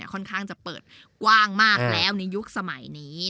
ค่อนข้างจะเปิดกว้างมากแล้วในยุคสมัยนี้